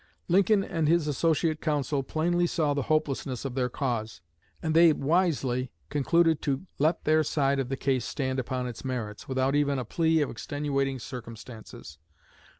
Lincoln and his associate counsel plainly saw the hopelessness of their cause; and they wisely concluded to let their side of the case stand upon its merits, without even a plea of extenuating circumstances.